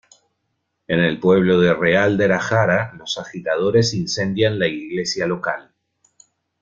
En el pueblo de Real de la Jara los agitadores incendian la iglesia local.